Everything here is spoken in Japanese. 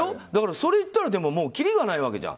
それを言ったらきりがないわけじゃん。